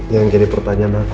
yang jadi pertanyaan aku cuma satu